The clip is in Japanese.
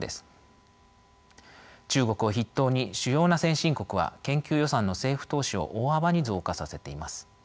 中国を筆頭に主要な先進国は研究予算の政府投資を大幅に増加させています。